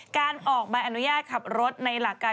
การออกใบอนุญาตขับรถในหลักการ